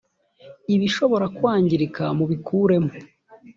ibishobora kwangirika mubikuremo.